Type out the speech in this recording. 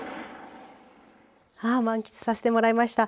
満喫させてもらいました。